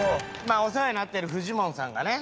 お世話になってるフジモンさんがね